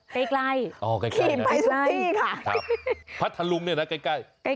ใกล้ค่ะใกล้ค่ะพัทธรุมเนี่ยนะใกล้